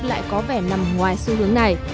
lại có vẻ nằm ngoài xu hướng này